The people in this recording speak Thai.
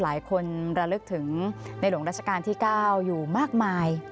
ลายคนระลึกถึงในหลวงรัชกาลที่เก่าอยู่มากมาย